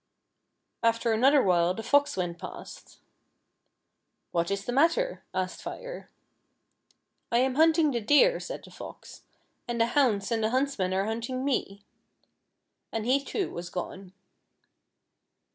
After another while the Fox went past. " What is the matter ?" asked Fire. "I am hunting the Deer," said the Fox; "and the hounds and the huntsmen are hunting me. ' And he, too, was gone.